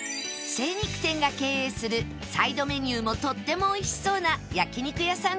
精肉店が経営するサイドメニューもとってもおいしそうな焼肉屋さん